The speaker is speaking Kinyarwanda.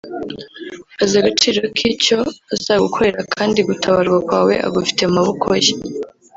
azi agaciro k’icyo azagukorera kandi gutabarwa kwawe agufite mu maboko ye